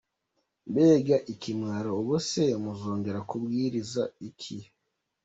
Mbega ikimwaroo, Ubu se muzongera kubwiriza iki? .